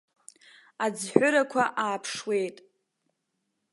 Аӡҳәырақәа ааԥшуеит.